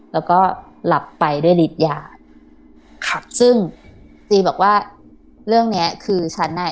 แล้วก็หลับไปด้วยฤทยาครับซึ่งตีบอกว่าเรื่องเนี้ยคือฉันอ่ะ